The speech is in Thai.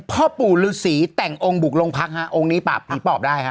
พ่อปู่ฤษีแต่งองค์บุกโรงพักฮะองค์นี้ปราบผีปอบได้ฮะ